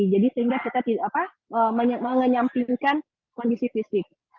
jadi sehingga kita menyampingkan kondisi fisik